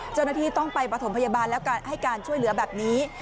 เจ้าหน้าที่ต้องไปประถมพยาบาลแล้วให้การช่วยเหลือแบบนี้